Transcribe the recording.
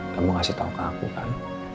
kamu kasih tau ke aku kan